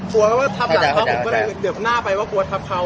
กลัวว่าทัพหลังแล้วผมก็เห็นเดี๋ยวหน้าไปว่ากลัวทัพเขา